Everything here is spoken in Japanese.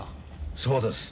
そうです